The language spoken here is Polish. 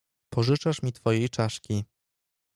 "Pożyczasz mi twojej czaszki."